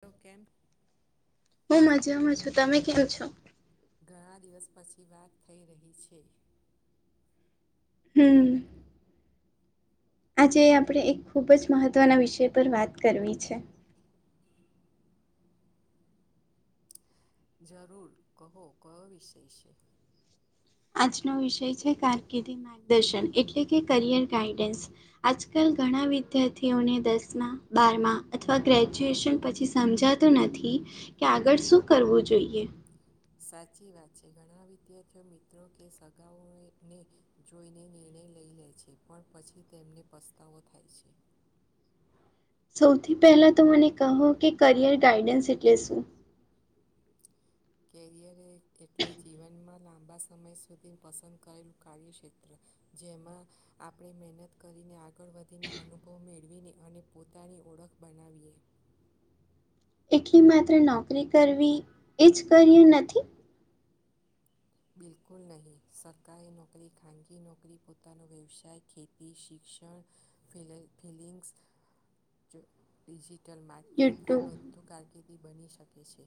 તો કેમ હું મજામાં છું તમે કેમ છો ઘણા દિવસ પછી વાત થઈ રહી છે હમ આજે આપણે એક ખૂબ જ મહત્વના વિષય પર વાત કરવી છે જરૂર કહો કયો વિશય છે આજનો વિષય છે કારકિર્દી માર્ગદર્શન એટલે કે કરિયર ગાઈડન્સ આજકાલ ઘણા વિદ્યાર્થીઓને દસમાં બારમાં અથવા ગ્રેજ્યુએશન પછી સમજા તું નથી કે આગળ શું કરવું જોઈએ સાચી વાત છે ઘણા વિદ્યાર્થીઓ મિત્રો કે સગાઓને જોઈને નિર્ણય લઈ લે છે પણ પછી તેમને પસ્તાવો થાય છે સૌથી પહેલા તો મને કહો કે કરિયર ગાઈડન્સ એટલે શું કેરિયર એટલે જીવનમાં લાંબા સમય સુધી પસંદ કરેલું કાર્યક્ષેત્ર જેમાં આ પણે મહેનત કરીને આગળ વધીને અનુભવ મેળવીને અને પોતાની ઓળખ બનાવીએ. એટલી માત્ર નોકરી કરવી એ જ કર્યું નથી બિલકુલ નહીં સરકારી નોકરી ખાનગી નોકરી પોતાનો વ્યવસાય ખે એ શિક્ષણ ફિલિંગ્સ જ ડિજિટલ માર્કિંગ આ બધું કારકિર્દી બની શકે છે.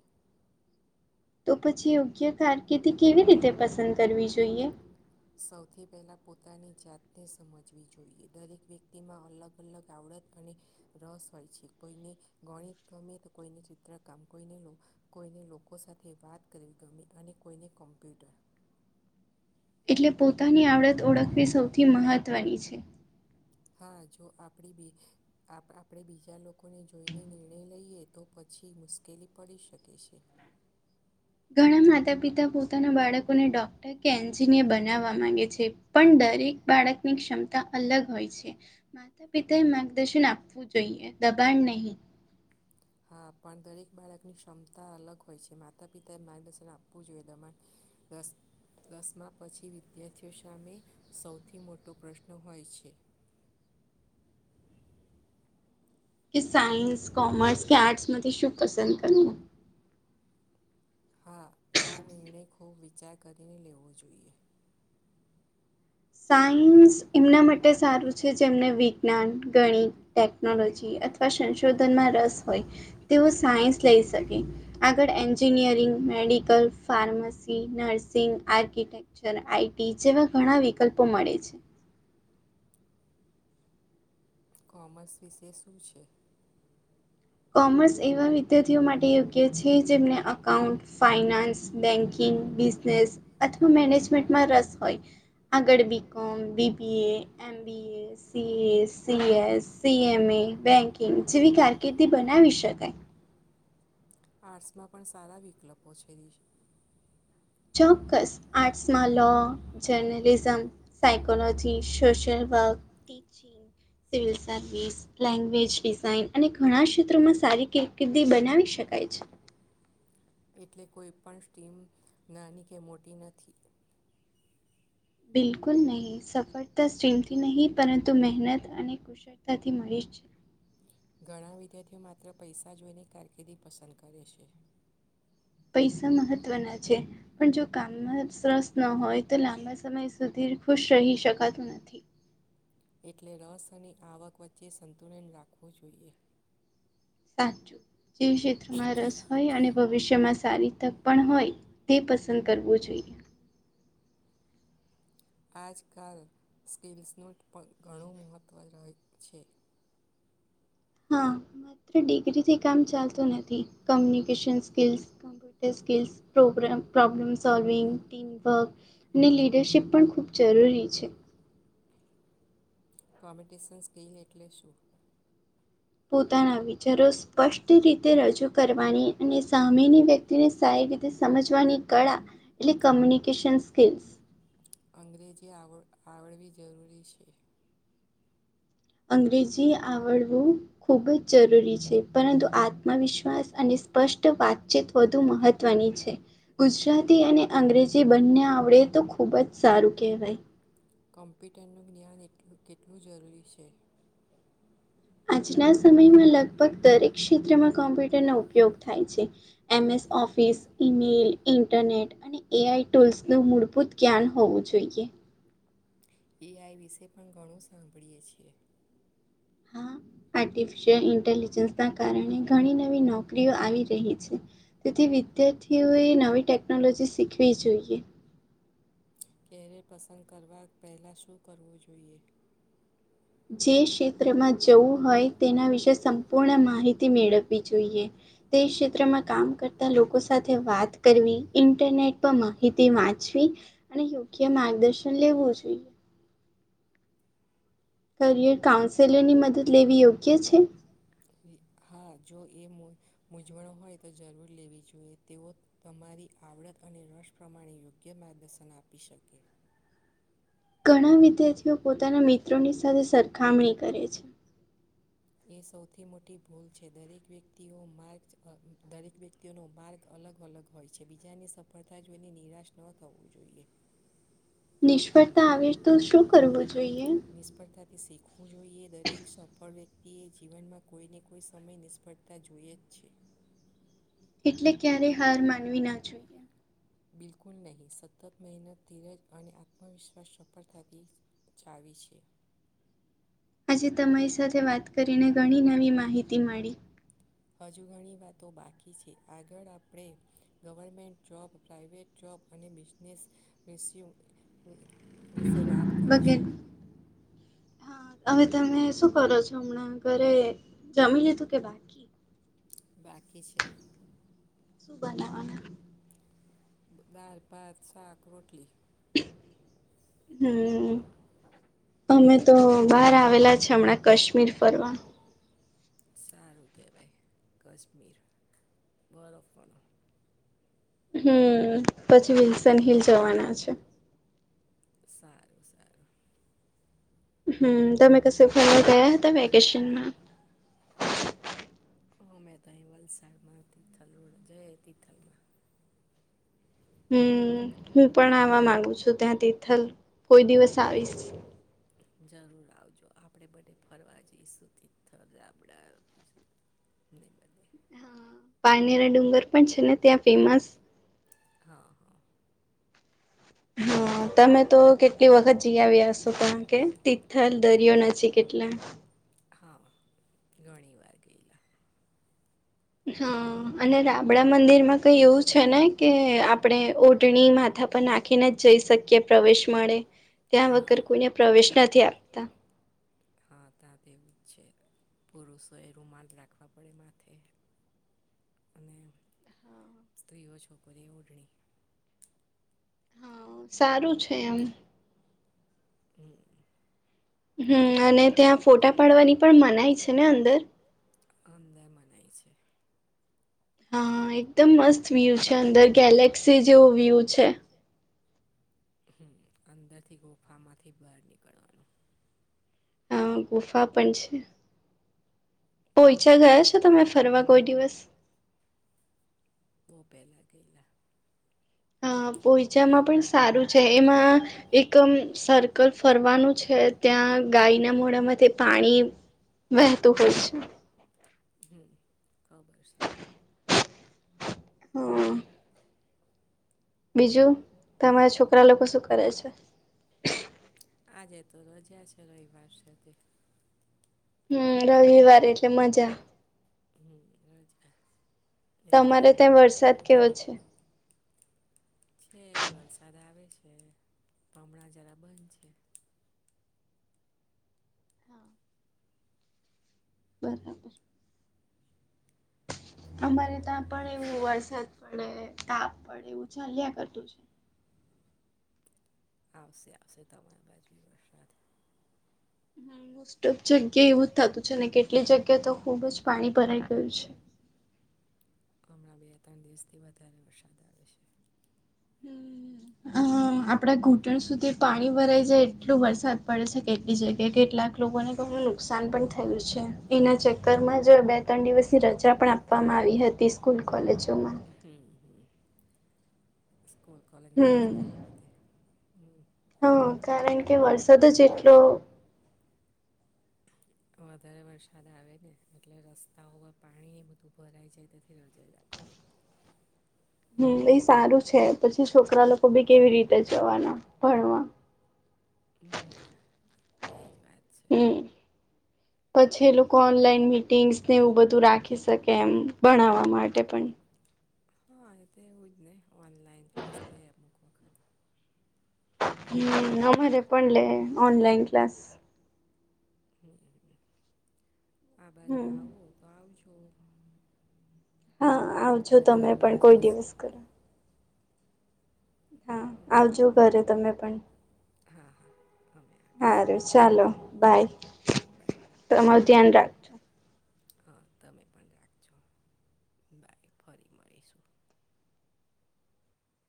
તો પછી યોગ્ય કારકિર્દી કેવી રીતે પસંદ કરવી જોઈએ? સૌથી પહેલાં પોતાની જાતને સમજવી જોઈએ દરેક વ્યક્તિમાં અલગ-અલગ આવડત અને રસ હોય છે કોઈને ગણિત ગમે તો કોઈને ચિત્ર કામ કોઈને કોઈને લોકો સાથે વાત કરવી ગમે અને કોઈને કોમ્પ્યુટર. એટલે પોતાની આવડત ઓળખવી સૌથી મહત્વની છે. હા જો આપડી બી આપ આપણે બીજા લોકોને જોઈને નિર્ણય લઈએ તો પછી મુશ્કેલી પડી શકે છે. ઘણા માતા-પિતા પોતાના બાળકોને ડોક્ટર કે એન્જિનિયર બનાવવા માંગે છે. પણ દરેક બાળકની ક્ષમતા અલગ હોય છે. માતા-પિતાએ માર્ગદર્શન આપવું જોઈએ દબાણ નહી. હા પણ દરેક બાળકની ક્ષમતા અલગ હોય છે માતા પિતાએ માર્ગદર્શન આપવું જોઈએ દબાણ નઈ. યસ. દસમાં પછી વિદ્યાર્થીઓ સામે સૌથી મોટો પ્રશ્ન હોય છે. કે સાયન્સ, કોમર્સ કે આર્ટ્સમાંથી શું પસંદ કરવું. હા આ નિર્ણય ખૂબ વિચાર કરીને લેવો જોઈએ. સાયન્સ એમના માટે સારું છે જેમને વિજ્ઞાન, ગણિત ટેકનોલોજી અથવા સંશોધનમાં રસ હોય તેવું સાયન્સ લઈ શકે. આગળ engineering, medical, pharmacy, nursing, architect IT જેવા ઘણા વિકલ્પો મળે છે. કોમર્સ વિશે શું છે? કોમર્સ એવા વિદ્યાર્થીઓ માટે યોગ્ય છે જેમને અકાઉન્ટ, ફાઈનાન્સ બેન્કિંગ, બિઝનેસ અથવા મેનેજમેન્ટમાં રસ હોય. આગળ B com, BB A, M B A, C A, C S, C S, C એણે, બેકિંગ જેવી કેન કારકિર્દી બનાવી શકાય. આર્ટ્સમાં પણ સારા વિકલ્પો છે. ચોક્કસ આર્ટ્સમાં law, journalism psychology, social work, teaching, civil service service. Language design અને ઘણા ક્ષેત્રોમાં સારી કકિર્દી બનાવી શકાય છે. એટલે કોઈ પણ સ્ટીમ નાની કે મોટી નથી. બિલકુલ નહીં સફળતા સ્ટ્રીમથી નહીં પરંતુ મહેનત અને ખુશ શતાથી મળે છે. ઘણા વિદ્યાર્થીઓ માત્ર પૈસા જોઈને કારકિર્દી પસંદ કરે છે. પૈસા મહત્ત્વના છે પણ જો કામમાં રસ ન હોય તો લાંબા સમય સુધીર ખુશ રહી શકાતું નથી. એટલે રસ અને આવક વચ્ચે સંતુલન રાખવું જોઈએ. સાચું જે ક્ષેત્રમાં રસ હોય અને ભવિષ્યમાં સારી તક પણ હોય. તે પસંદ કરવું જોઈએ. આજકાલ સ્કિલ્સનું પણ ઘણું મહત્ત્વ રહેલુ છે. હા માત્ર ડિગ્રીથી કામ ચાલતું નથી communication skills computer skills પ્રોબ્ર problem solving teamwork અને લીડરશીપ પણ ખૂબ જરૂરી છે. કોમ્યુનિકેશન સ્કીલ્સ એટલે શું? પોતાના વિચારો સ્પષ્ટ રીતે રજૂ કરવાની અને સામેની વ્યક્તિને સારી રીતે સમજવાની કળા એટલે કમ્યુનિકેશન સ્કિલ્સ. અંગ્રેજી આવ આવડવી જરૂરી છે. અંગ્રેજી આવડવું ખૂબ જ જરૂરી છે પરંતુ આત્મવિશ્વાસ અને સ્પષ્ટ વાતચીત વધુ મહત્વની છે ગુજરાતી અને અંગ્રેજી પર જે બંને આવડે તો ખૂબ જ સારું કહેવાય. કમ્પ્યુટરનું જ્ઞાન કેટલું જરૂરી છે. આજના સમયમાં લગભગ દરેક ક્ષેત્રમાં કોમ્પ્યુટરનો ઉપયોગ થાય છે. MS office, email, internet. AI ટૂલ્સનું મૂળભૂત જ્ઞાન હોવું જોઈએ. એઆઈ વિશે પણ ઘણું સાંભળીએ છીએ. હા, આર્ટિફિશિયલ ઇન્ટેલિજન્સના કારણે ઘણી નવી નોકરીઓ આવી રહી છે તેથી વિદ્યાર્થીઓએ નવી ટેક ટેકનોલોજી શીખવી જોઈએ. ક્યારે પસંદ કરવા પહેલાં શું કરવું જોઈએ. જે ક્ષેત્રમાં જવું હોય તેના વિશે સંપૂર્ણ માહિતી મેળવવી જોઈએ. તે ક્ષેત્રમાં કામ કરતા લોકો સાથે વાત કરવી ઇન્ટરનેટ પર માહિતી વાંચવી. અને યોગ્ય માર્ગદર્શન લેવું જોઈએ. કરિયર કાઉન્સેલરની મદદ લેવી યોગ્ય છે? હા, જો એ મૂંઝવણ હોય તો જરૂર લેવી જોઈએ તેઓ તમારી આવડત અને રસ પ્રમાણે યોગ્ય માર્ગદર્શન આપી શકે. ઘણા વિદ્યાર્થીઓ પોતાના મિત્રોની સાથે સરખામણી કરે છે. એ સૌથી મોટી ભૂલ છે દરેક વ્યક્તિઓ માંજ અ દરેક વ્યક્તિઓનો માર્ગ અલગ અલગ હોય છે બીજાને સફળતા જોઈને નિરાશ ન થવું જોઈએ. નિષ્ફળતા આવે તો શું કરવું જોઈએ. નિષ્ફળતાથી શીખવું જોઈએ દરેક સફળ વ્યક્તિએ જીવનમાં કોઈને કોઈ સમય નિષ ફરતા જોઈએ જ છે. એટલે ક્યારે હાર માનવીના જોઈએ. બિલકુલ નહીં સતત મહેનત ધીરજ અને આત્મવિશ્વાસ સફળ થતી. ચાવી છે. આજે તમારી સાથે વાત કરીને ઘણી નવી માહિતી મળી. હજુ ઘણી વાતો બાકી છે આગળ આપણે ગવર્મેન્ટ જોબ પ્રાવેટ જૉબ અને બિઝનેસ રેસ્યુ. વિશે વાત કરીશું. હા, હવે તમે શું કરો છો હમણાં ઘરે જમી લીધું કે બાકી? બાકી છે. શું બનાવવાના? દાલ, ભાત, શાક, રોટલી. હમ‌. અમે તો બહાર આવેલા છે હમણાં કાશ્મીર ફરવા. સારું કહેવાય કશ્મીર બરફવાનો. હમ, પછી વિલ્સનહિલ જવાના છે. સારું સારું. હમ, તમે કસે ફર ગયા હતા વેકેશનમાં? મેં તો અહીં વલસાડમાં તિથલ રોડ જય તિથલમાં. હમ, હું પણ આવા માંગુ છું ત્યાં તિથલ કોઈ દિવસ આવીશ. જરૂર આવજો આપણેે બધે ફરવા જઈશું તિથલ આપડે [unintelligible] પાનેરા ડુંગર પણ છે ને ત્યાં ફેમસ? હ હ. હ. તમે તો કેટલી વખત જી આવ્યા હશો કારણ કે તિથલ દરિયો નજીક એટલે હા, ઘણી વાર ગયેલા. હા, અને રા બધા મંદિરમાં તો એવું છે ને કે આપણે ઓઢણી માથા પર નાખીને જઈ શકીએ પ્રવેશ મળે ત્યાં વગર કોઈને પ્રવેશ નથી આપતા. હા ત્યાં તેવું જ છે પુરુષોએ રૂમાલ રાખવા પડે માથે. અને સ્ત્રીઓ છોકરીએ ઓઢણી. સારું છે એમ. હમ. હમ અને ત્યાં ફોટા પાડવાની પણ મનાય છે ને અંદર? અંદર મનાય છે. હા એકદમ મસ્ત વ્યૂ છે અંદર ગેલેક્સી જેવો વ્યૂ છે. હમ અંદર થી ગુફામાંથી બહાર નીકળવાનું. ગુફા પણ છે. પોઈચા ગયા છો તમે ફરવા કોઈ દિવસ? બહુ પહેલા ગયેલા અ પોઈચામાં પણ સારું છે એમાં એકમ સર્કલ ફરવાનું છે ત્યાં ગાયના મોડામાંથી પાણી વહેતો હોય છે. હમ ખબર છે. હમ બીજું તમારા છોકરા લોકો શું કરે છે આજે તો રજા છે રવિવાર સેતે હમ રવિવાર એટલે મજા હમ [inaudible] તમારે ત્યાં વરસાદ કેવો છે? છે વરસાદ આવે છે હમણાં જરા બંધ છે. બરાબર અમારે ત્યાં પણ એવું વરસાદ પડે તાપ પડે એવું ચાલ્યા કરતું આવશે આવશે તમારી બાજુ વરસાદ હ મોસ્ટ ઓફ જગ્યા એવું જ થતું છે ને કેટલી જગ્યા તો ખુબ જ પાણી ભરાઈ ગયું છે. હમણાં બે ત્રણ દિવસથી વધારે વરસાદ આવે છે હ અમ આપડા ઘૂંટણ સુધી પાણી ભરાઈ જાય એટલો વરસાદ પડે છે કે એ જગ્યા કેટલાક લોકો ને [unintelligible] નુકસાન પણ થયું છે એના ચક્કરમાં જો બે ત્રણ દિવસની રજા પણ આપવામાં આવી હતી સ્કૂલ કોલેજોમાં હમ હ સ્કૂલ કોલેજમાં [unintelligible] હા કારણ કે વરસાદ જેટલો વધારે વરસાદ આવે ને એટલે રસ્તાઓ પર પાણી એ બધું ભરાઈ જાય તેથી રજા જ આપી દે હમ એ સારું છે પછી છોકરા લોકો ભી કેવી રીતે જવાના ભણવા હમ, એજ વાત છે. હમ. પછી એ લોકો ઓનલાઈન મીટિંગ્સ ને એવું બધું રાખી શકે એમ ભણાવવા માટે પણ. હા તો એવું જ ને ઓનલાઈન ક્લાસ લે અમુક વખત. હમ અમારે પણલે ઓનલાઈન ક્લાસ. આ બાજુ આવો તો આવજો. હા આવજો તમે પણ કોઈ દિવસ કરો. હમ, હા હા અમે આવીશું. ચાલો બાય, તમારું ધ્યાન રાખ હ તમે પણ રાખજો, બાય ફરી મળીશું.